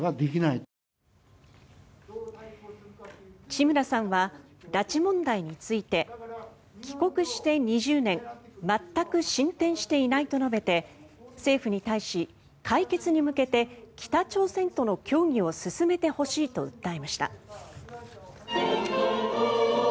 地村さんは拉致問題について帰国して２０年全く進展していないと述べて政府に対し、解決に向けて北朝鮮との協議を進めてほしいと訴えました。